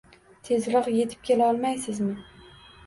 Tezroq yetib kela olmaysizmi?